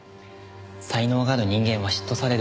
才能がある人間は嫉妬される。